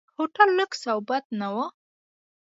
هوټل لکس او بد نه و.